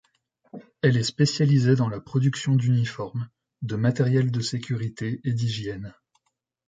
Elle est spécialisée dans la production d'uniforme, de matériel de sécurité et d'hygiène.